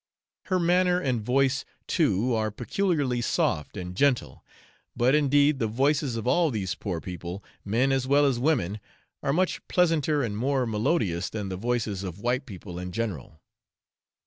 Her manner and voice too are peculiarly soft and gentle; but, indeed, the voices of all these poor people, men as well as women, are much pleasanter and more melodious than the voices of white people in general.